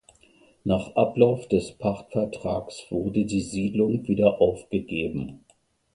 Nach Ablauf des Pachtvertrags wurde die Siedlung wieder aufgegeben.